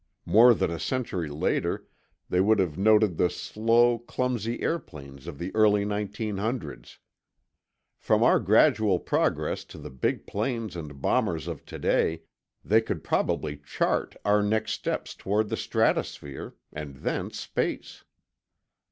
More than a century later, they would have noted the slow, clumsy airplanes of the early 1900's. From our gradual progress to the big planes and bombers of today, they could probably chart our next steps toward the stratosphere—and then space.